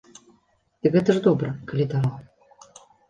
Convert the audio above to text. Дык гэта ж добра, калі даваў?